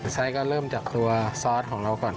ไซส์ก็เริ่มจากตัวซอสของเราก่อน